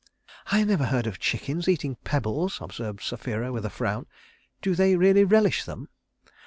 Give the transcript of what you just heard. "I never heard of chickens eating pebbles," observed Sapphira with a frown. "Do they really relish them?"